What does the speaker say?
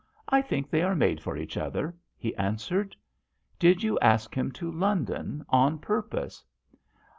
I think they are made for each other/' he answered. " Did you ask him to London on purpose